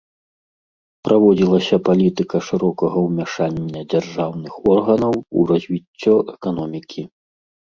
Праводзілася палітыка шырокага ўмяшання дзяржаўных органаў у развіццё эканомікі.